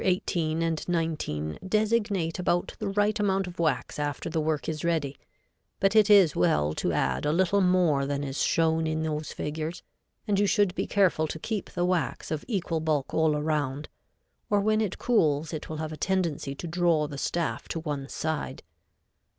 18 and 19 designate about the right amount of wax after the work is ready, but it is well to add a little more than is shown in those figures, and you should be careful to keep the wax of equal bulk all around, or when it cools it will have a tendency to draw the staff to one side.